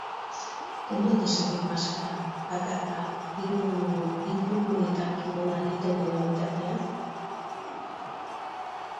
Kendu al dezaket maskara, bakarka, hiri-inguruetan kirola egiten dudan bitartean?